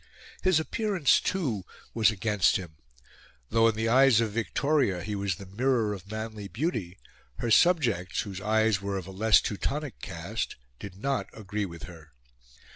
His appearance, too, was against him. Though in the eyes of Victoria he was the mirror of manly beauty, her subjects, whose eyes were of a less Teutonic cast, did not agree with her.